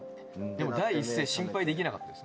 でも第一声心配できなかったですね。